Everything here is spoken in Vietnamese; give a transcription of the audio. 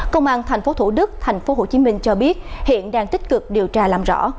công an thành phố thủ đức thành phố hồ chí minh cho biết hiện đang tích cực điều tra làm rõ